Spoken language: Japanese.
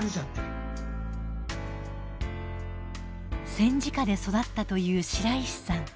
戦時下で育ったという白石さん。